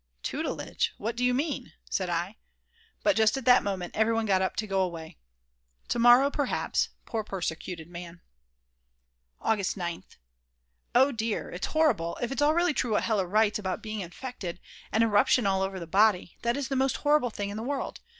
"Tutelage, what do you mean," said I, but just at that moment everyone got up to go away. To morrow perhaps, poor persecuted man. August 9th. Oh dear, it's horrible if it's all really true what Hella writes about being infected; an eruption all over the body, that is the most horrible thing in the world.